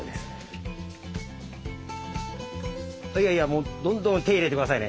もうどんどん手入れて下さいね。